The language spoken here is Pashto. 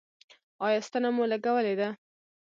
ایا ستنه مو لګولې ده؟